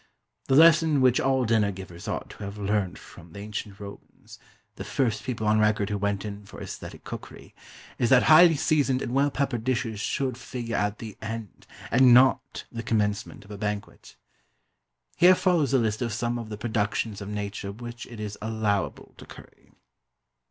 The lesson which all dinner givers ought to have learnt from the Ancient Romans the first people on record who went in for æsthetic cookery is that highly seasoned and well peppered dishes should figure at the end, and not the commencement of a banquet. Here follows a list of some of the productions of Nature which it is allowable to curry.